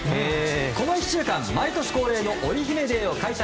この１週間、毎年恒例のオリ姫デーを開催。